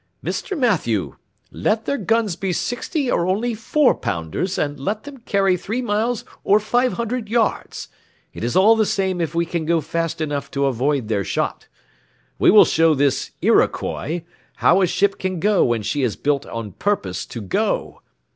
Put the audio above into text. Mr. Mathew, let their guns be sixty or only four pounders, and let them carry three miles or five hundred yards, it is all the same if we can go fast enough to avoid their shot. We will show this Iroquois how a ship can go when she is built on purpose to go.